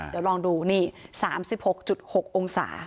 เดี๋ยวลองดูนี่๓๖๖องศา